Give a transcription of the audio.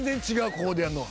ここでやんのは。